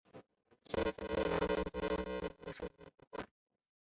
黛丝碧娜要求阿方索让她接管这个计画。